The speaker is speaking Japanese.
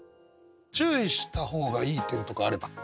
注意した方がいい点とかあれば。